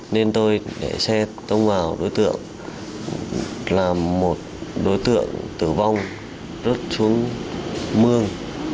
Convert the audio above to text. nên tôi để xe tông vào đối tượng làm một đối tượng tử vong rớt xuống mương